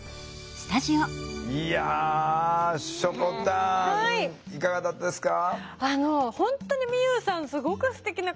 いやしょこたんいかがだったですか？